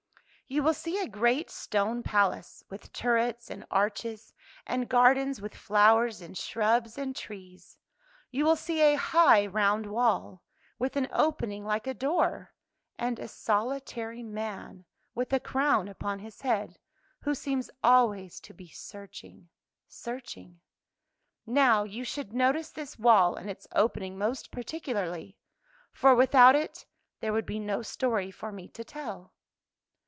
You will see a great stone palace, with turrets and arches, and gardens with flow ers and shrubs and trees. You will see a high, round wall, with an opening like a door ; and a solitary man, with a crown upon his head, who seems always to be searching, searching. Now, you should notice this wall and its opening most particularly, for without it there would be no story for me to tell.